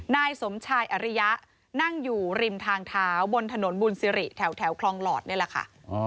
นายสมชายอริยะนั่งอยู่ริมทางเท้าบนถนนบุญสิริแถวคลองหลอดนี่แหละค่ะ